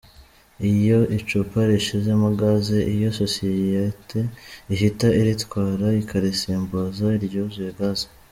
Iyo icupa rishizemo Gaz, iyo sosiyete ihita iritwara, ikarisimbuza iryuzuye Gaz.